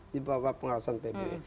di bawah pengawasan pbb